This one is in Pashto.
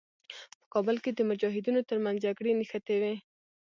په کابل کې د مجاهدینو تر منځ جګړې نښتې وې.